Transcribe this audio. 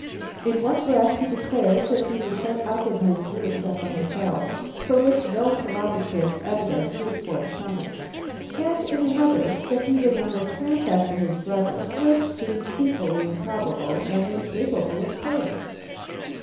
In one breath he declares that he was shut up in his rooms at the hotel, for which no corroborative evidence is forthcoming; and in another that he was on a tramp after his brother, which seems equally improbable and incapable of proof.